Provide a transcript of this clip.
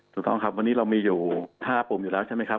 ถูกต้องครับวันนี้เรามีอยู่๕ปุ่มอยู่แล้วใช่ไหมครับ